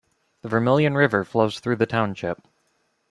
The Vermilion River flows through the township.